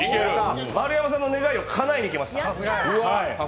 丸山さんの願いをかなえにきました。